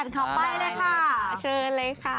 ไปเลยค่ะ